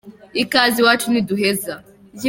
Ikaze iwacu ntiduheza.